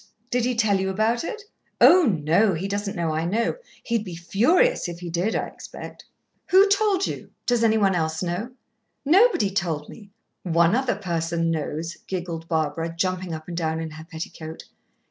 _ Did he tell you about it?" "Oh, no. He doesn't know I know. He'd be furious if he did, I expect." "Who told you? Does any one else know?" "Nobody told me. One other person knows," giggled Barbara, jumping up and down in her petticoat.